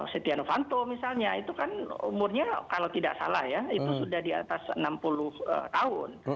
setia novanto misalnya itu kan umurnya kalau tidak salah ya itu sudah di atas enam puluh tahun